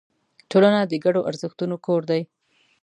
ټولنه د ګډو ارزښتونو کور دی.